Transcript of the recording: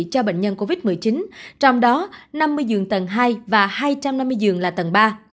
cho bệnh nhân covid một mươi chín trong đó năm mươi giường tầng hai và hai trăm năm mươi giường là tầng ba